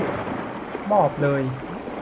มอบเลย !